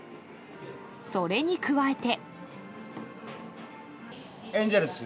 それに加えて。